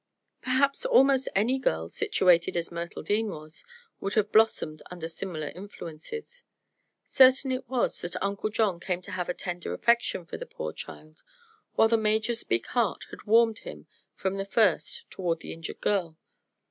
Perhaps almost any girl, situated as Myrtle Dean was, would have blossomed under similar influences. Certain it was that Uncle John came to have a tender affection for the poor child, while the Major's big heart had warmed from the first toward the injured girl.